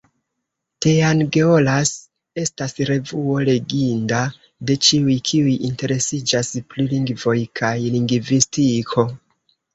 Teangeolas estas revuo leginda de ĉiuj, kiuj interesiĝas pri lingvoj kaj lingvistiko.